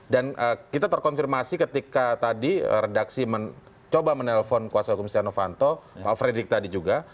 dan kita terkonfirmasi ketika tadi redaksi mencoba menelpon kuasa hukum stian avanto pak frederick tadi juga